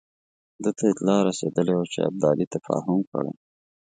ده ته اطلاع رسېدلې وه چې ابدالي تفاهم کړی.